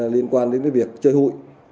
liên quan đến việc chơi hủy